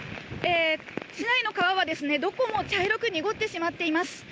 市内の川はどこも茶色く濁ってしまっています。